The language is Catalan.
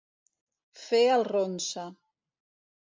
Fer el ronsa.